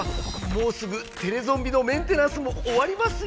もうすぐテレゾンビのメンテナンスもおわりますよ。